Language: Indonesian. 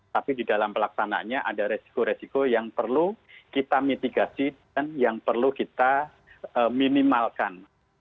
tapi di dalam pelaksananya ada resiko resiko yang perlu kita mitigasi dan yang perlu kita minimalkan